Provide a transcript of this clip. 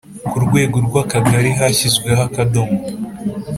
Ku rwego rw akagari hashyizweho akadomo